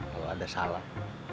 kalau ada salah